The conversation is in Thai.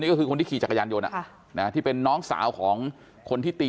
ก็คือคนที่ขี่จักรยานยนต์ที่เป็นน้องสาวของคนที่ตี